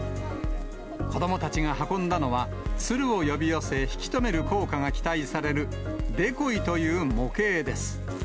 子どもたちが運んだのは、ツルを呼び寄せ、引き留める効果が期待される、デコイという模型です。